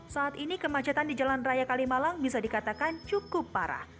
saat ini kemacetan di jalan raya kalimalang bisa dikatakan cukup parah